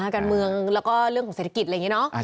การเมืองแล้วก็เรื่องของเศรษฐกิจอะไรอย่างนี้เนอะ